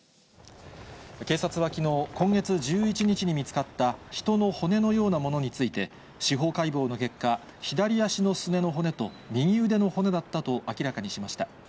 警察はきのう、今月１１日に見つかった人の骨のようなものについて、司法解剖の結果、左足のすねの骨と右腕の骨だったと明らかにしました。